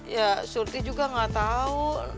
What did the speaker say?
ya surti juga gak tau